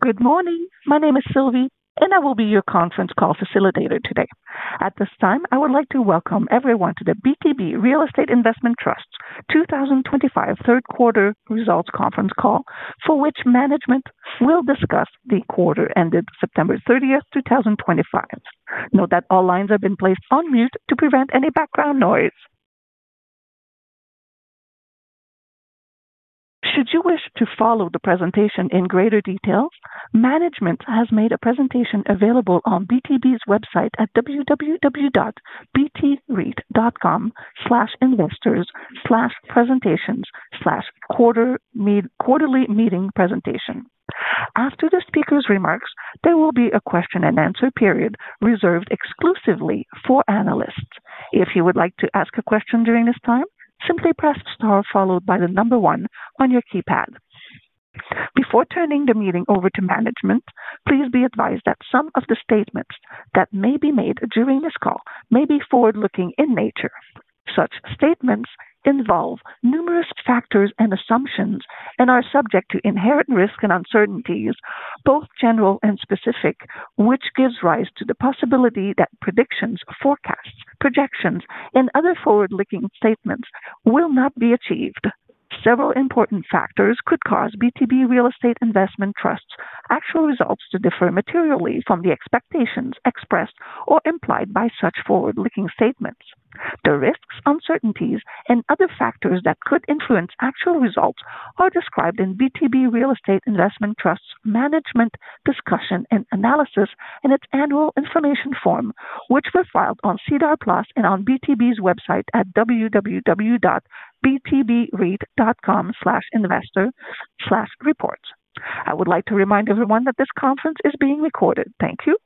Good morning. My name is Sylvie, and I will be your conference call facilitator today. At this time, I would like to welcome everyone to the BTB Real Estate Investment Trust's 2025 third quarter results conference call, for which management will discuss the quarter ended September 30th, 2025. Note that all lines have been placed on mute to prevent any background noise. Should you wish to follow the presentation in greater detail, management has made a presentation available on BTB's website at www.BTReit.com/investors/presentations/. Quarterly meeting presentation. After the speaker's remarks, there will be a question and answer period reserved exclusively for analysts. If you would like to ask a question during this time, simply press star followed by the number one on your keypad. Before turning the meeting over to management, please be advised that some of the statements that may be made during this call may be forward-looking in nature. Such statements involve numerous factors and assumptions and are subject to inherent risk and uncertainties, both general and specific, which gives rise to the possibility that predictions, forecasts, projections, and other forward-looking statements will not be achieved. Several important factors could cause BTB Real Estate Investment Trust's actual results to differ materially from the expectations expressed or implied by such forward-looking statements. The risks, uncertainties, and other factors that could influence actual results are described in BTB Real Estate Investment Trust's management discussion and analysis in its annual information form, which was filed on SEDAR+ and on BTB's website at www.BTBReit.com/investors/. Reports. I would like to remind everyone that this conference is being recorded. Thank you.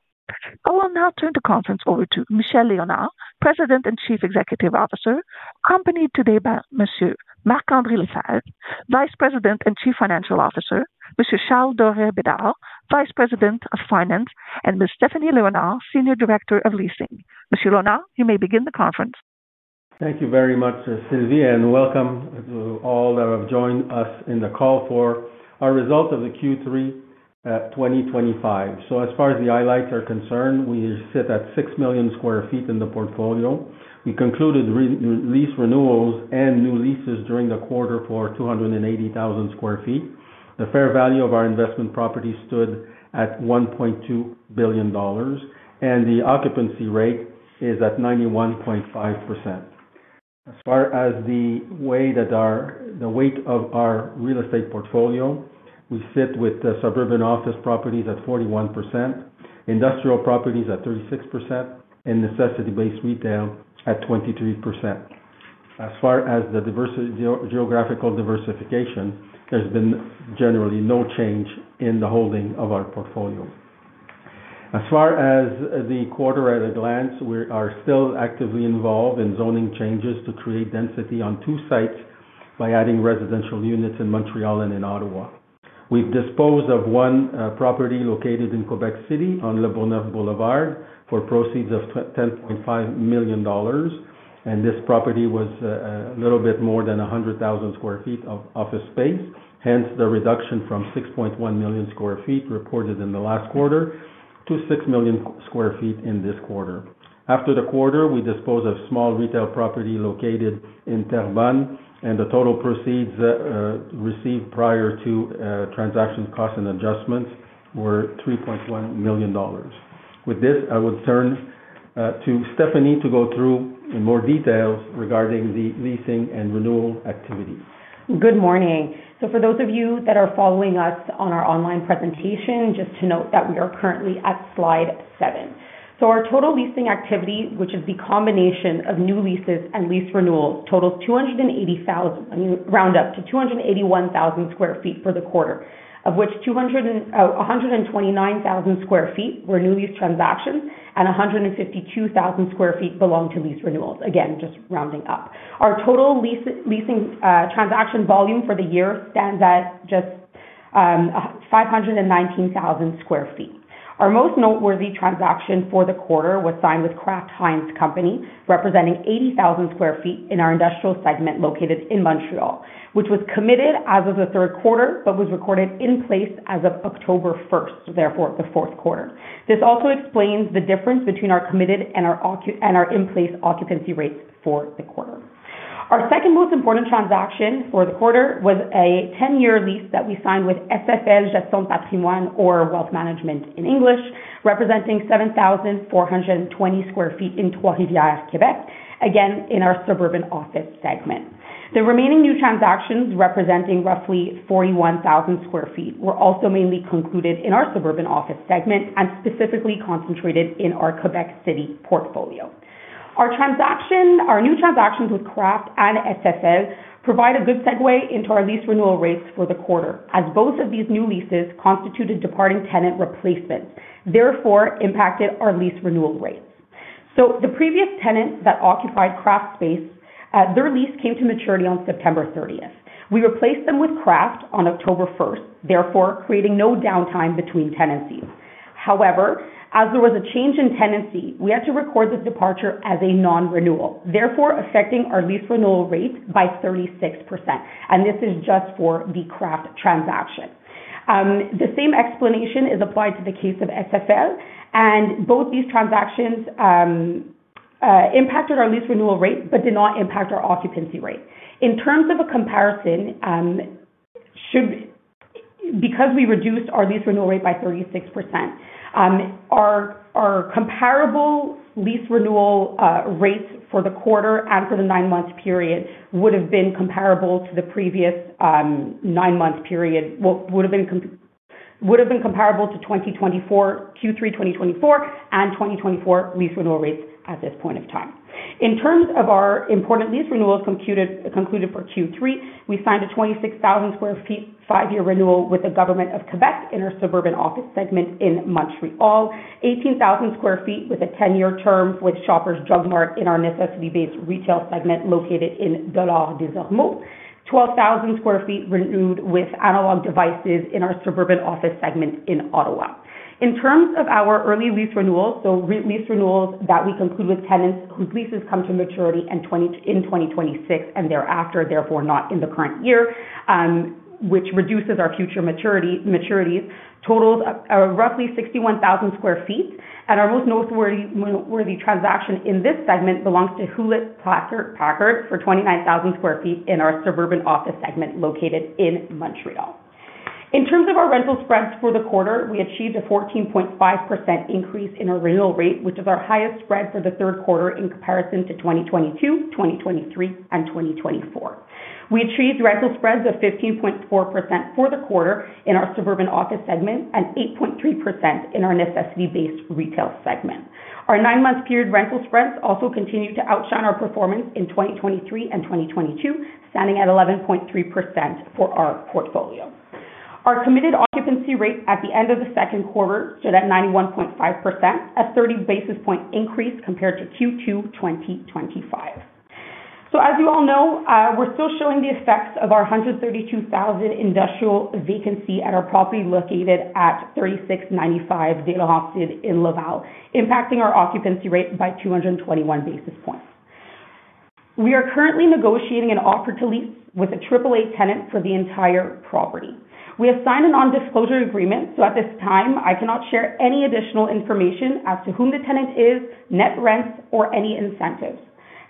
I will now turn the conference over to Michel Léonard, President and Chief Executive Officer, accompanied today by Monsieur Marc-André Lefebvre, Vice President and Chief Financial Officer, Monsieur Charles Doré-Bédard, Vice President of Finance, and Ms. Stephanie Léonard, Senior Director of Leasing. Michel Léonard, you may begin the conference. Thank you very much, Sylvie, and welcome to all that have joined us in the call for our result of the Q3 2025. So, as far as the highlights are concerned, we sit at 6 million sq ft in the portfolio. We concluded lease renewals and new leases during the quarter for 280,000 sq ft. The fair value of our investment property stood at 1.2 billion dollars, and the occupancy rate is at 91.5%. As far as the weight of our real estate portfolio, we sit with suburban office properties at 41%. Industrial properties at 36%, and necessity-based retail at 23%. As far as the geographical diversification, there's been generally no change in the holding of our portfolio. As far as the quarter at a glance, we are still actively involved in zoning changes to create density on two sites by adding residential units in Montreal and in Ottawa. We've disposed of one property located in Quebec City on Lebonheur Boulevard for proceeds of 10.5 million dollars. And this property was a little bit more than 100,000 sq ft of office space, hence the reduction from 6.1 million sq ft reported in the last quarter to 6 million sq ft in this quarter. After the quarter, we disposed of small retail property located in Terrebonne, and the total proceeds received prior to transaction costs and adjustments were 3.1 million dollars. With this, I would turn to Stephanie to go through in more details regarding the leasing and renewal activity. Good morning. So, for those of you that are following us on our online presentation, just to note that we are currently at slide seven. So, our total leasing activity, which is the combination of new leases and lease renewals, totals 280,000, and you round up to 281,000 sq ft for the quarter, of which 129,000 sq ft were new lease transactions and 152,000 sq ft belonged to lease renewals. Again, just rounding up. Our total leasing transaction volume for the year stands at just 519,000 sq ft. Our most noteworthy transaction for the quarter was signed with Kraft Heinz Company, representing 80,000 sq ft in our industrial segment located in Montreal, which was committed as of the third quarter but was recorded in place as of October 1st, therefore the fourth quarter. This also explains the difference between our committed and our in-place occupancy rates for the quarter. Our second most important transaction for the quarter was a 10-year lease that we signed with SFL Gestion Patrimoine, or Wealth Management in English, representing 7,420 sq ft in Trois-Rivières, Quebec, again in our suburban office segment. The remaining new transactions, representing roughly 41,000 sq ft, were also mainly concluded in our suburban office segment and specifically concentrated in our Quebec City portfolio. Our new transactions with Kraft and SFL provide a good segue into our lease renewal rates for the quarter, as both of these new leases constituted departing tenant replacements, therefore impacted our lease renewal rates. So, the previous tenant that occupied Kraft space, their lease came to maturity on September 30th. We replaced them with Kraft on October 1st, therefore creating no downtime between tenancies. However, as there was a change in tenancy, we had to record this departure as a non-renewal, therefore affecting our lease renewal rate by 36%. And this is just for the Kraft transaction. The same explanation is applied to the case of SFL, and both these transactions impacted our lease renewal rate but did not impact our occupancy rate. In terms of a comparison, because we reduced our lease renewal rate by 36%, our comparable lease renewal rates for the quarter and for the nine-month period would have been comparable to the previous nine-month period, comparable to Q3 2024 and 2024 lease renewal rates at this point of time. In terms of our important lease renewals concluded for Q3, we signed a 26,000 sq ft five-year renewal with the Government of Quebec in our suburban office segment in Montreal, 18,000 sq ft with a 10-year term with Shoppers Drug Mart in our necessity-based retail segment located in Dollard-des-Ormeaux, 12,000 sq ft renewed with Analog Devices in our suburban office segment in Ottawa. In terms of our early lease renewals, so lease renewals that we conclude with tenants whose leases come to maturity in 2026 and thereafter, therefore not in the current year, which reduces our future maturities, totals roughly 61,000 sq ft. Our most noteworthy transaction in this segment belongs to Hewlett-Packard for 29,000 sq ft in our suburban office segment located in Montreal. In terms of our rental spreads for the quarter, we achieved a 14.5% increase in our renewal rate, which is our highest spread for the third quarter in comparison to 2022, 2023, and 2024. We achieved rental spreads of 15.4% for the quarter in our suburban office segment and 8.3% in our necessity-based retail segment. Our nine-month period rental spreads also continue to outshine our performance in 2023 and 2022, standing at 11.3% for our portfolio. Our committed occupancy rate at the end of the second quarter stood at 91.5%, a 30 basis point increase compared to Q2 2025. As you all know, we're still showing the effects of our 132,000 industrial vacancy at our property located at 3695 Delorencier in Laval, impacting our occupancy rate by 221 basis points. We are currently negotiating an offer to lease with a AAA tenant for the entire property. We have signed a non-disclosure agreement, so at this time, I cannot share any additional information as to whom the tenant is, net rents, or any incentives.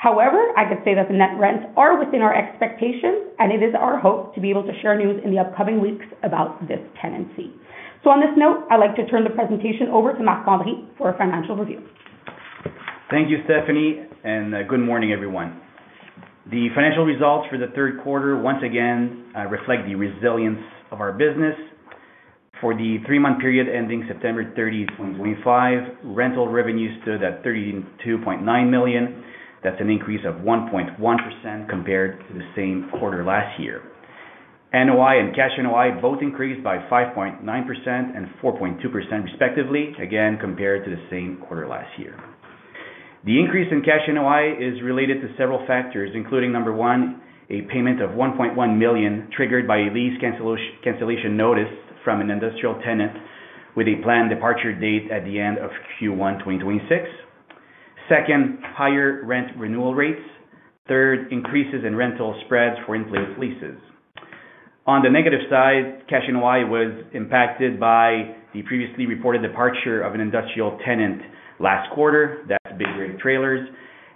However, I could say that the net rents are within our expectations, and it is our hope to be able to share news in the upcoming weeks about this tenancy. On this note, I'd like to turn the presentation over to Marc-André for a financial review. Thank you, Stephanie, and good morning, everyone. The financial results for the third quarter once again reflect the resilience of our business. For the three-month period ending September 30th, 2025, rental revenues stood at 32.9 million. That's an increase of 1.1% compared to the same quarter last year. NOI and cash NOI both increased by 5.9% and 4.2% respectively, again compared to the same quarter last year. The increase in cash NOI is related to several factors, including, number one, a payment of 1.1 million triggered by a lease cancellation notice from an industrial tenant with a planned departure date at the end of Q1 2026. Second, higher rent renewal rates. Third, increases in rental spreads for in-place leases. On the negative side, cash NOI was impacted by the previously reported departure of an industrial tenant last quarter. That's Big Rig Trailers.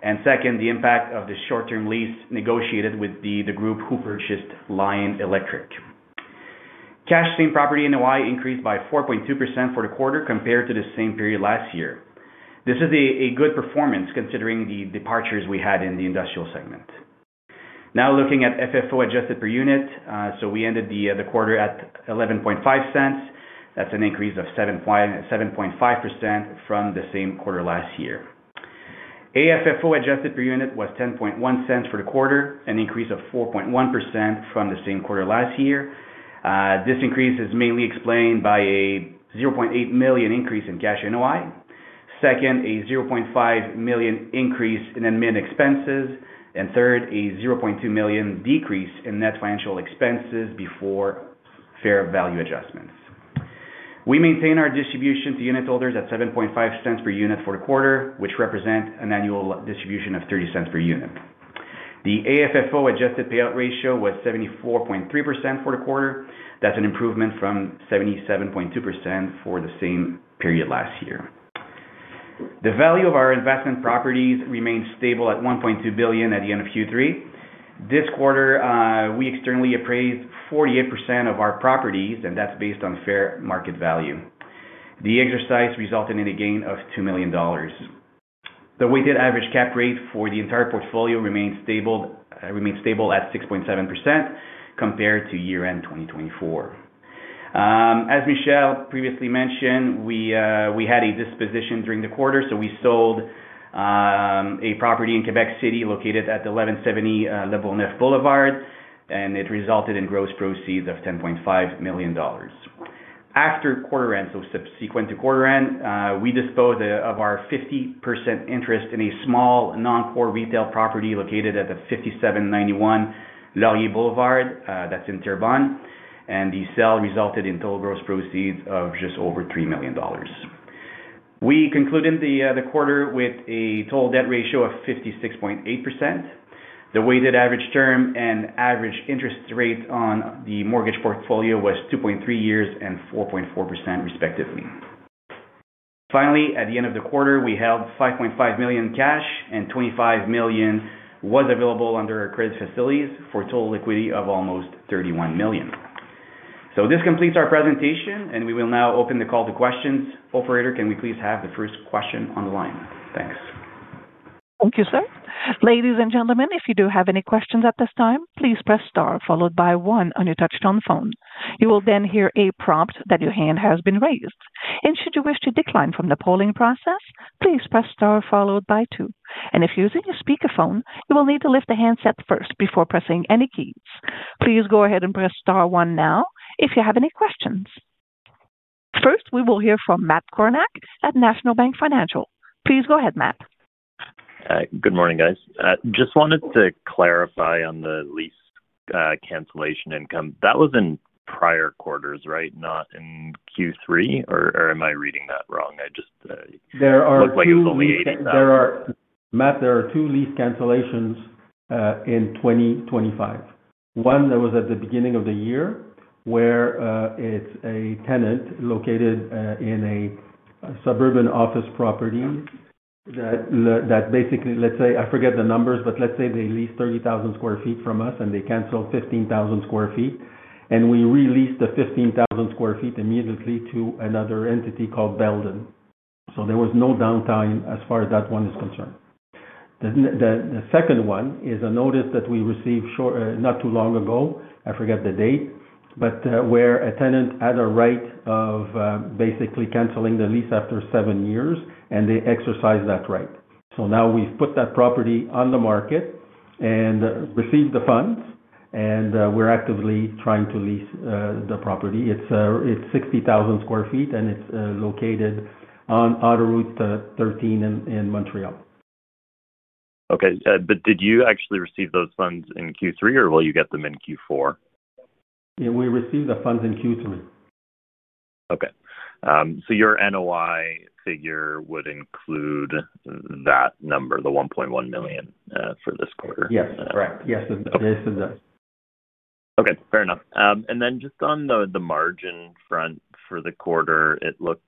And second, the impact of the short-term lease negotiated with the group who purchased Lion Electric. Cash same property NOI increased by 4.2% for the quarter compared to the same period last year. This is a good performance considering the departures we had in the industrial segment. Now looking at FFO adjusted per unit, so we ended the quarter at 0.115. That's an increase of 7.5% from the same quarter last year. AFFO adjusted per unit was 0.101 for the quarter, an increase of 4.1% from the same quarter last year. This increase is mainly explained by a 0.8 million increase in cash NOI. Second, a 0.5 million increase in admin expenses. And third, a 0.2 million decrease in net financial expenses before. Fair value adjustments. We maintain our distribution to unit holders at 0.075 per unit for the quarter, which represents an annual distribution of 0.30 per unit. The AFFO adjusted payout ratio was 74.3% for the quarter. That's an improvement from 77.2% for the same period last year. The value of our investment properties remained stable at 1.2 billion at the end of Q3. This quarter, we externally appraised 48% of our properties, and that's based on fair market value. The exercise resulted in a gain of 2 million dollars. The weighted average cap rate for the entire portfolio remained stable. At 6.7% compared to year-end 2024. As Michel previously mentioned, we had a disposition during the quarter, so we sold. A property in Quebec City located at 1170 Lebonheur Boulevard, and it resulted in gross proceeds of 10.5 million dollars. After quarter-end, so subsequent to quarter-end, we disposed of our 50% interest in a small non-core retail property located at 5791 Laurier Boulevard. That's in Terrebonne. And the sale resulted in total gross proceeds of just over 3 million dollars. We concluded the quarter with a total debt ratio of 56.8%. The weighted average term and average interest rate on the mortgage portfolio was 2.3 years and 4.4%, respectively. Finally, at the end of the quarter, we held $5.5 million cash, and $25 million was available under our credit facilities for total liquidity of almost $31 million. So this completes our presentation, and we will now open the call to questions. Operator, can we please have the first question on the line? Thanks. Thank you, sir. Ladies and gentlemen, if you do have any questions at this time, please press star followed by one on your touch-tone phone. You will then hear a prompt that your hand has been raised. And should you wish to decline from the polling process, please press star followed by two. And if you're using a speakerphone, you will need to lift the handset first before pressing any keys. Please go ahead and press star one now if you have any questions. First, we will hear from Matt Kornack at National Bank Financial. Please go ahead, Matt. Good morning, guys. Just wanted to clarify on the lease cancellation income. That was in prior quarters, right? Not in Q3? Or am I reading that wrong? I just looked like it was only eight. There are, Matt, there are two lease cancellations in 2025. One that was at the beginning of the year where it's a tenant located in a suburban office property that basically, let's say, I forget the numbers, but let's say they lease 30,000 sq ft from us and they cancel 15,000 sq ft, and we release the 15,000 sq ft immediately to another entity called Belden. So there was no downtime as far as that one is concerned. The second one is a notice that we received not too long ago. I forget the date, but where a tenant had a right of basically canceling the lease after seven years, and they exercised that right. So now we've put that property on the market and received the funds, and we're actively trying to lease the property. It's 60,000 sq ft, and it's located on Autoroute 13 in Montreal. Okay. But did you actually receive those funds in Q3, or will you get them in Q4? We received the funds in Q3. Okay. So your NOI figure would include that number, the 1.1 million for this quarter? Yes, correct. Yes, it does. Okay. Fair enough. And then just on the margin front for the quarter, it looked,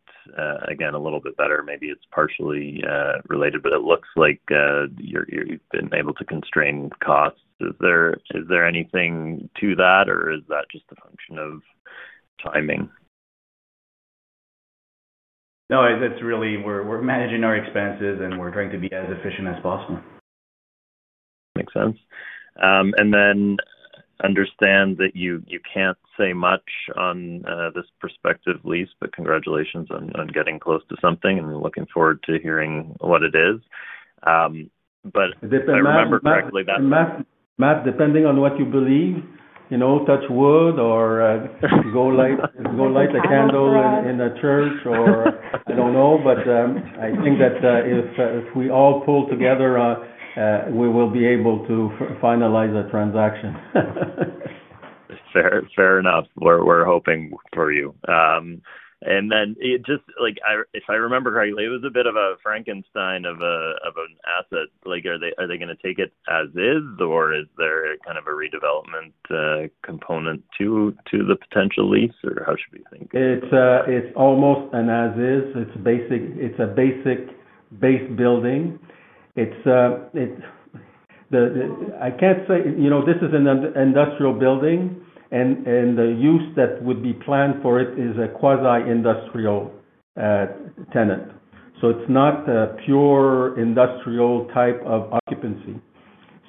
again, a little bit better. Maybe it's partially related, but it looks like you've been able to constrain costs. Is there anything to that, or is that just a function of timing? No, that's really, we're managing our expenses, and we're trying to be as efficient as possible. Makes sense. I understand that you can't say much on this prospective lease, but congratulations on getting close to something, and we're looking forward to hearing what it is, but I remember correctly that. Matt, depending on what you believe, touch wood or. Go light a candle in a church, or I don't know, but I think that if we all pull together, we will be able to finalize a transaction. Fair enough. We're hoping for you. And then just. If I remember correctly, it was a bit of a Frankenstein of an asset. Are they going to take it as is, or is there kind of a redevelopment component to the potential lease, or how should we think? It's almost an as is. It's a basic base building. I can't say this is an industrial building, and the use that would be planned for it is a quasi-industrial tenant. So it's not a pure industrial type of occupancy.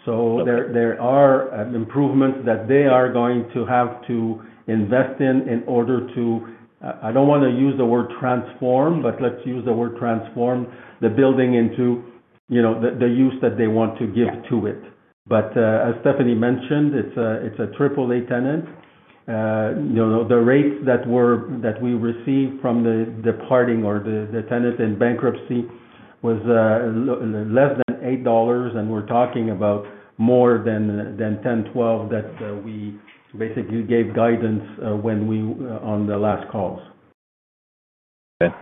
So there are improvements that they are going to have to invest in in order to, I don't want to use the word transform, but let's use the word transform the building into the use that they want to give to it. But as Stephanie Léonard mentioned, it's a AAA tenant. The rates that we received from the departing or the tenant in bankruptcy was less than $8, and we're talking about more than $10-$12 that we basically gave guidance on the last calls. Okay.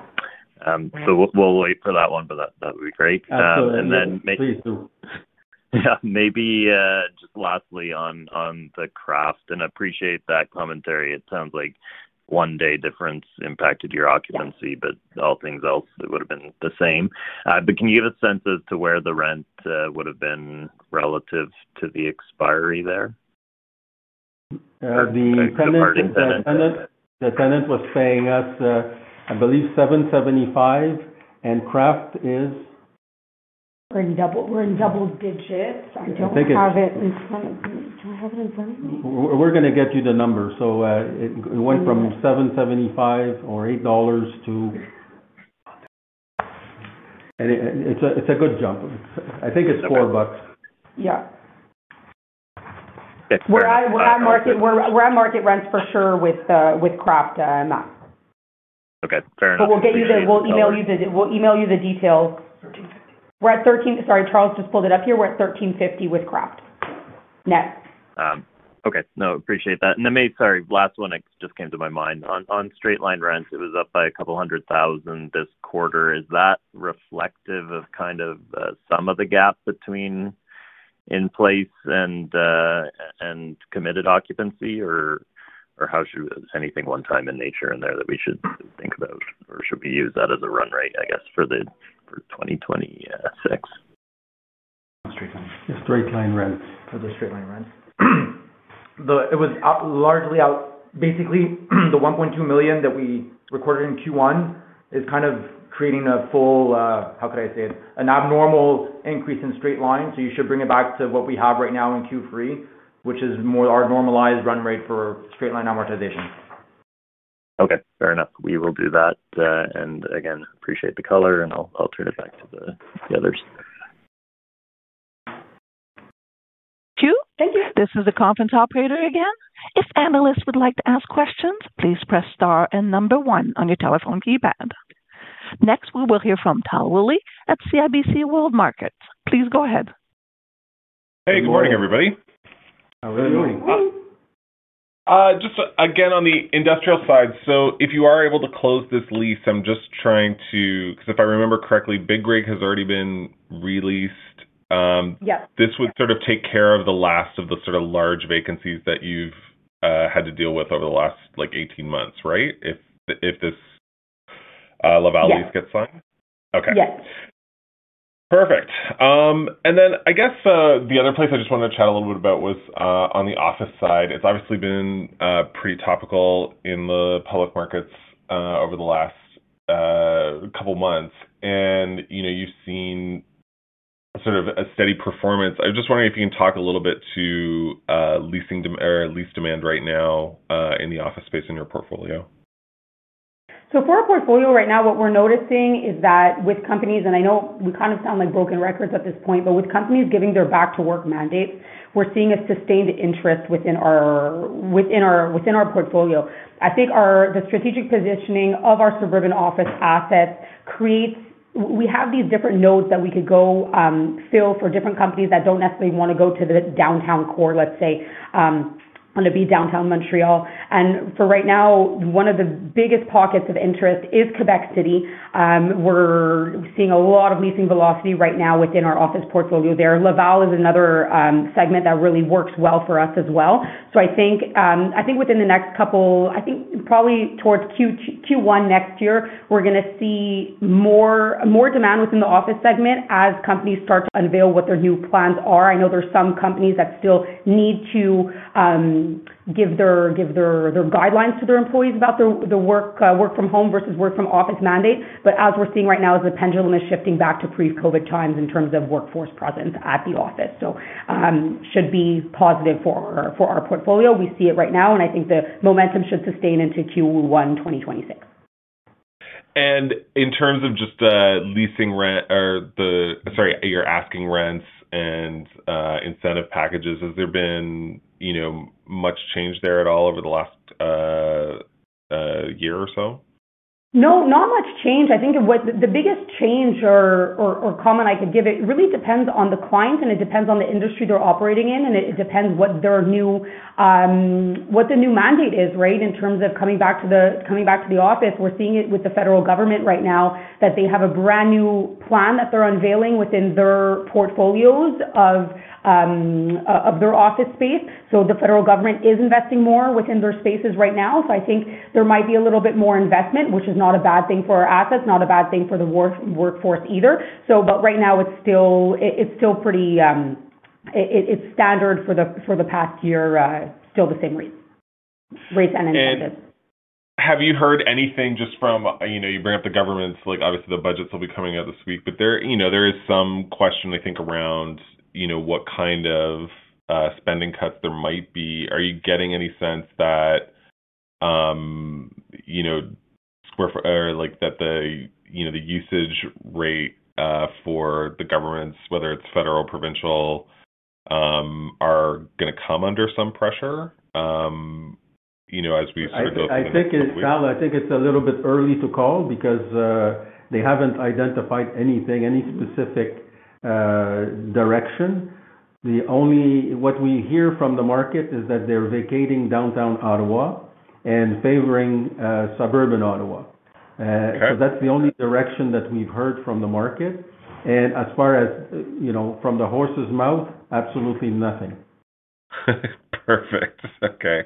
So we'll wait for that one, but that would be great and then. Absolutely. Please do. Yeah. Maybe just lastly on the Kraft, and I appreciate that commentary. It sounds like one-day difference impacted your occupancy, but all things else, it would have been the same. But can you give a sense as to where the rent would have been relative to the expiry there? The tenant was paying us, I believe, 7.75, and Kraft is. We're in double digits. I don't have it in front of me. Do I have it in front of me? We're going to get you the number. So it went from 775 or $8 to. It's a good jump. I think it's 4 bucks. Yeah. We're on market rents for sure with Kraft, Matt. Okay. Fair enough. But we'll email you the details. We're at 13, sorry, Charles just pulled it up here. We're at 1350 with Kraft. Net. Okay. No, appreciate that. And sorry, last one just came to my mind. On straight-line rent, it was up by a couple hundred thousand this quarter. Is that reflective of kind of some of the gap between in-place and committed occupancy, or how should anything one-time in nature in there that we should think about, or should we use that as a run rate, I guess, for 2026? Straight-line rent. For the straight-line rent. It was largely out. Basically, the 1.2 million that we recorded in Q1 is kind of creating a full - how could I say it? - an abnormal increase in straight-line. So you should bring it back to what we have right now in Q3, which is more our normalized run rate for straight-line amortization. Okay. Fair enough. We will do that. And again, appreciate the color, and I'll turn it back to the others. Thank you. This is the conference operator again. If analysts would like to ask questions, please press star and number one on your telephone keypad. Next, we will hear from Tal Woolley at CIBC Capital Markets. Please go ahead. Hey, good morning, everybody. How are you? Just again on the industrial side. So if you are able to close this lease, I'm just trying to, because if I remember correctly, Big Rig has already been released. This would sort of take care of the last of the sort of large vacancies that you've had to deal with over the last 18 months, right? If this Laval lease gets signed? Yes. Okay. Perfect. And then I guess the other place I just wanted to chat a little bit about was on the office side. It's obviously been pretty topical in the public markets over the last couple months. And you've seen sort of a steady performance. I'm just wondering if you can talk a little bit to lease demand right now in the office space in your portfolio? So for our portfolio right now, what we're noticing is that with companies - and I know we kind of sound like broken records at this point - but with companies giving their back-to-work mandates, we're seeing a sustained interest within our portfolio. I think the strategic positioning of our suburban office assets creates - we have these different nodes that we could go fill for different companies that don't necessarily want to go to the downtown core, let's say want to be downtown Montreal. And for right now, one of the biggest pockets of interest is Quebec City. We're seeing a lot of leasing velocity right now within our office portfolio there. Laval is another segment that really works well for us as well. So I think within the next couple - I think probably towards Q1 next year - we're going to see more demand within the office segment as companies start to unveil what their new plans are. I know there are some companies that still need to give their guidelines to their employees about the work-from-home versus work-from-office mandate. But as we're seeing right now, the pendulum is shifting back to pre-COVID times in terms of workforce presence at the office. So it should be positive for our portfolio. We see it right now, and I think the momentum should sustain into Q1 2026. And in terms of just leasing rent or, sorry, your asking rents and incentive packages, has there been much change there at all over the last year or so? No, not much change. I think the biggest change or comment I could give it really depends on the client, and it depends on the industry they're operating in, and it depends what the new mandate is, right, in terms of coming back to the office. We're seeing it with the federal government right now that they have a brand new plan that they're unveiling within their portfolios of their office space. So the federal government is investing more within their spaces right now. So I think there might be a little bit more investment, which is not a bad thing for our assets, not a bad thing for the workforce either. But right now, it's still pretty. It's standard for the past year, still the same rates and incentives. Have you heard anything just from you bring up the governments, obviously, the budgets will be coming out this week but there is some question, I think, around what kind of spending cuts there might be. Are you getting any sense that or that the usage rate for the governments, whether it's federal, provincial, are going to come under some pressure as we sort of go through this? I think it's a little bit early to call because they haven't identified anything, any specific direction. What we hear from the market is that they're vacating downtown Ottawa and favoring suburban Ottawa. So that's the only direction that we've heard from the market, and as far as from the horse's mouth, absolutely nothing. Perfect. Okay.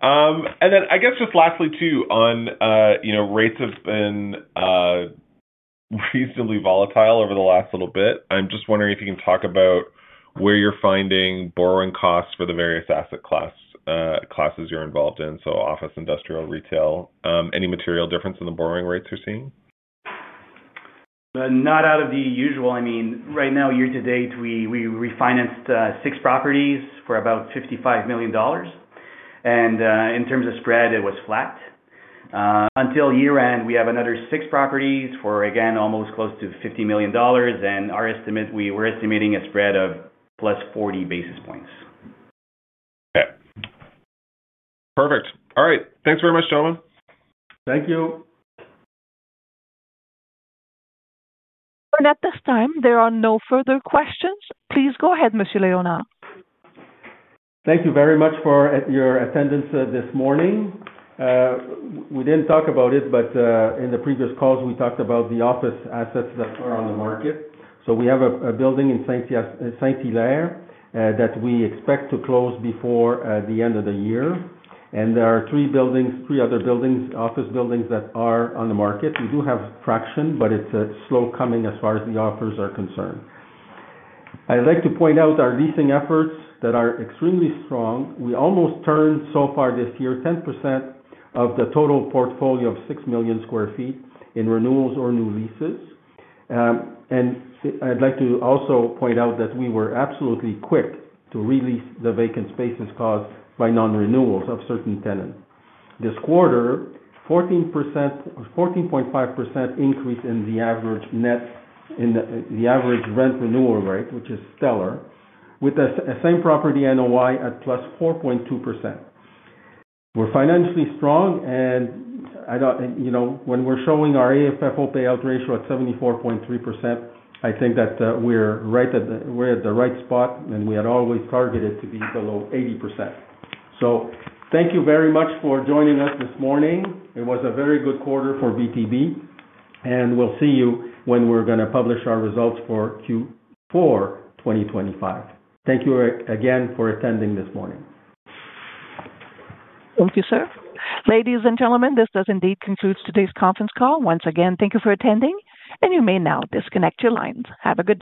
And then I guess just lastly, too, on rates. They have been reasonably volatile over the last little bit. I'm just wondering if you can talk about where you're finding borrowing costs for the various asset classes you're involved in. So office, industrial, retail. Any material difference in the borrowing rates you're seeing? Not out of the usual. I mean, right now, year to date, we refinanced six properties for about 55 million dollars. And in terms of spread, it was flat. Until year-end, we have another six properties for, again, almost close to 50 million dollars. And we're estimating a spread of plus 40 basis points. Okay. Perfect. All right. Thanks very much, gentlemen. Thank you. At this time, there are no further questions. Please go ahead, Mr. Léonard. Thank you very much for your attendance this morning. We didn't talk about it, but in the previous calls, we talked about the office assets that are on the market. So we have a building in Saint-Hilaire that we expect to close before the end of the year. And there are three other office buildings that are on the market. We do have traction, but it's slow coming as far as the offers are concerned. I'd like to point out our leasing efforts that are extremely strong. We almost turned so far this year 10% of the total portfolio of 6 million sq ft in renewals or new leases. And I'd like to also point out that we were absolutely quick to release the vacant spaces caused by non-renewals of certain tenants. This quarter, 14.5% increase in the average rent renewal rate, which is stellar, with the same property NOI at plus 4.2%. We're financially strong, and when we're showing our AFFO payout ratio at 74.3%, I think that we're at the right spot, and we had always targeted to be below 80%. So thank you very much for joining us this morning. It was a very good quarter for BTB, and we'll see you when we're going to publish our results for Q4 2025. Thank you again for attending this morning. Thank you, sir. Ladies and gentlemen, this does indeed conclude today's conference call. Once again, thank you for attending, and you may now disconnect your lines. Have a good day.